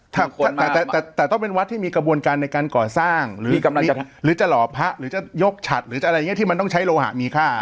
แต่แต่ต้องเป็นวัดที่มีกระบวนการในการก่อสร้างหรือมีหรือจะหล่อพระหรือจะยกฉัดหรือจะอะไรอย่างนี้ที่มันต้องใช้โลหะมีค่า